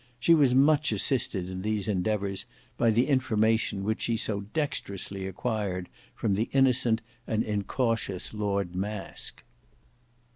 She was much assisted in these endeavours by the information which she so dexterously acquired from the innocent and incautious Lord Masque.